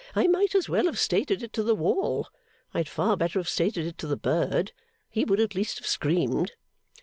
'I might as well have stated it to the wall. I had far better have stated it to the bird. He would at least have screamed.